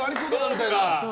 みたいな。